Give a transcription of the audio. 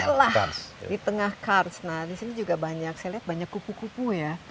celah di tengah kars nah disini juga banyak saya lihat banyak kupu kupu ya